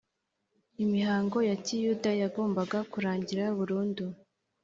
imihango ya kiyuda yagombaga kurangira burundu